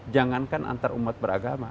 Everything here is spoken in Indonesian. jangankan antar umat beragama